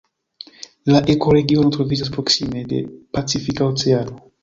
La ekoregiono troviĝas proksime de Pacifika Oceano.